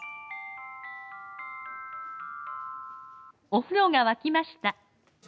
お風呂が沸きました。